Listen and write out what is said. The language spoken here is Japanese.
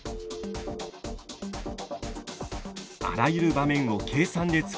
あらゆる場面を計算で作り出す。